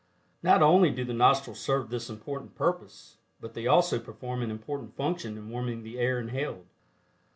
Not only do the nostrils serve this important purpose, but they also perform an important function in warming the air inhaled.